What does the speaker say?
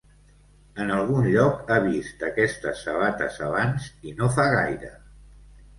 En algun lloc ha vist aquestes sabates abans, i no fa gaire.